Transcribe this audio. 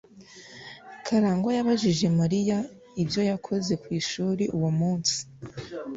karangwa yabajije mariya ibyo yakoze ku ishuri uwo munsi